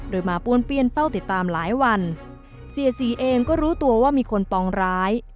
โดยมาป้วนเปี้ยนเฝ้าติดตามหลายวันเสียสีเองก็รู้ตัวว่ามีคนปองร้าย